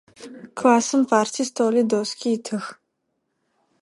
Классым парти, столи, доски итых.